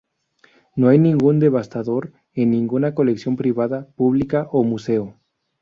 No hay ningún "Devastator" en ninguna colección privada, pública o museo.